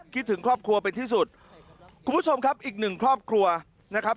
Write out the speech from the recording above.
ถึงครอบครัวเป็นที่สุดคุณผู้ชมครับอีกหนึ่งครอบครัวนะครับ